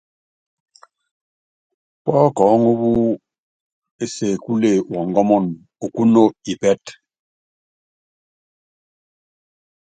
Pɔ́kɔɔ́ŋu wú ésekule wɔngɔmun, okúno ipɛ́tɛ.